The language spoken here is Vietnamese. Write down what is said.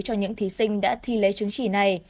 cho những thí sinh đã thi lấy chứng chỉ này